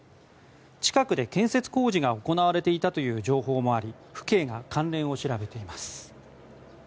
近くで建設工事が行われていたという情報もあり府警が関連を調べています。